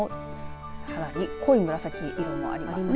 さらに濃い紫色もありますね。